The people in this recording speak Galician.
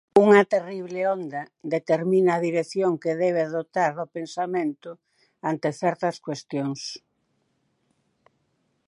Unha terrible onda determina a dirección que debe adoptar o pensamento ante certas cuestións.